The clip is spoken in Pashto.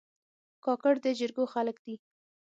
کاکړ د جرګو خلک دي.